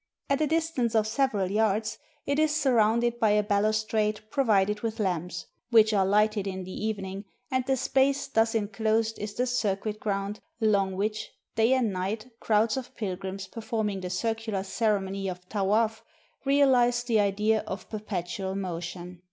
At a distance of several yards it is surrounded by a balus trade provided with lamps, which are lighted in the even ing, and the space thus inclosed is the circuit ground along which, day and night, crowds of pilgrims, per forming the circular ceremony of Tawaf, reahze the idea of perpetual motion.